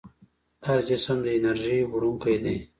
هر جسم د انرژۍ وړونکی دی.